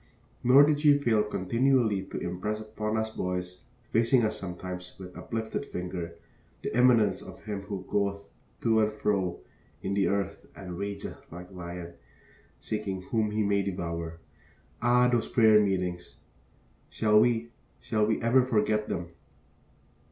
Nor did she fail continually to impress upon us boys facing us sometimes, with uplifted finger the immanence of him who goeth to and fro in the earth and rageth like a lion, seeking whom he may devour. Ah, those prayer meetings! Shall we, shall we ever forget them?